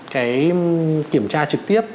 cái kiểm tra trực tiếp